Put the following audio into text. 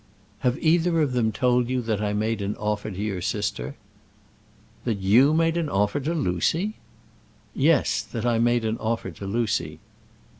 "Have either of them told you that I made an offer to your sister?" "That you made an offer to Lucy?" "Yes, that I made an offer to Lucy."